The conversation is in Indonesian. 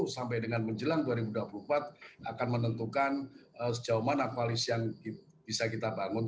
sampai dengan menjelang dua ribu dua puluh empat akan menentukan sejauh mana koalisi yang bisa kita bangun